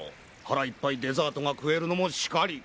腹いっぱいデザートが食えるのもしかり。